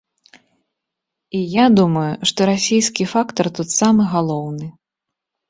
І я думаю, што расійскі фактар тут самы галоўны.